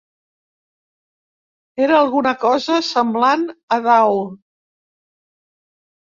Era alguna cosa semblant a dau.